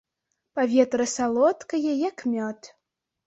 Паветра салодкае, як мёд.